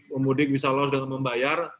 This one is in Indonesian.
pemudik bisa lolos dengan membayar